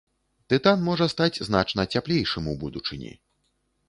Тытан можа стаць значна цяплейшым у будучыні.